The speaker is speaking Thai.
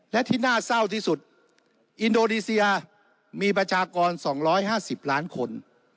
และที่น่าเซ้าที่สุดอินโดดีเซียมีประชากรสองร้อยห้าสิบล้านคน